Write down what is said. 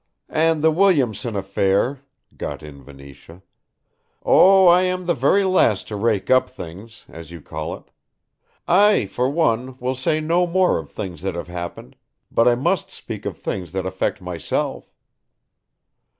"And the Williamson affair," got in Venetia. "Oh, I am the very last to rake up things, as you call it. I, for one, will say no more of things that have happened, but I must speak of things that affect myself."